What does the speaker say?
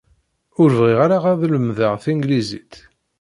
Ur bɣiɣ ara ad lemdeɣ tanglizit.